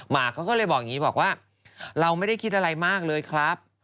หกเขาก็เลยบอกอย่างนี้บอกว่าเราไม่ได้คิดอะไรมากเลยครับ